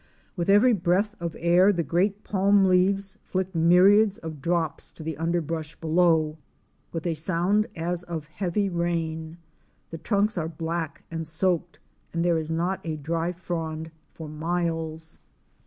With every breath of air the great palm leaves flick myriads of drops to the underbrush below, with a sound as of heavy rain. The trunks are black and soaked, and there is not a dry frond for miles.